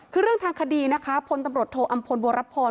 คือเรื่องทางคดีนะคะพตโทอำพลโบราพร